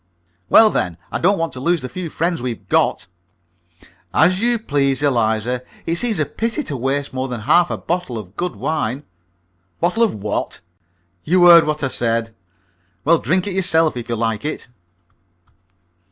"Well, then, I don't want to lose the few friends we've got." "As you please, Eliza. It seems a pity to waste more than half a bottle of good wine." "Bottle of what?" "You heard what I said." "Well, drink it yourself, if you like it."